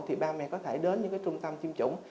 thì ba mẹ có thể đến những trung tâm tiêm chủng